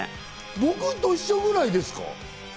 僕と一緒ぐらいですか？